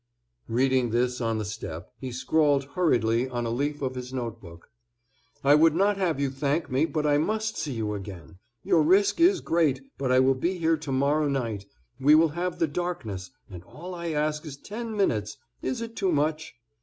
Reading this on the step, he scrawled hurriedly on a leaf of his note book: "I would not have you thank me, but I must see you again. Your risk is great, but I will be here to morrow night; we will have the darkness, and all I ask is ten minutes. Is it too much?"